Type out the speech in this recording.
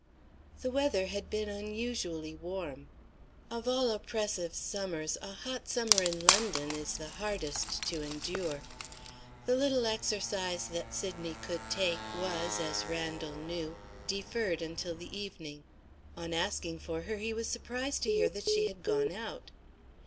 The weather had been unusually warm. Of all oppressive summers a hot summer in London is the hardest to endure. The little exercise that Sydney could take was, as Randal knew, deferred until the evening. On asking for her, he was surprised to hear that she had gone out.